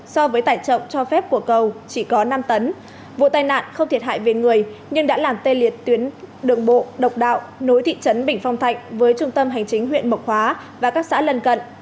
so với tải trọng cho phép của cầu chỉ có năm tấn vụ tai nạn không thiệt hại về người nhưng đã làm tê liệt tuyến đường bộ độc đạo nối thị trấn bình phong thạnh với trung tâm hành chính huyện mộc hóa và các xã lần cận